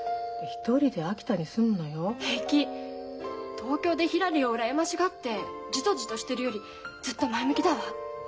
東京でひらりを羨ましがってじとじとしてるよりずっと前向きだわ。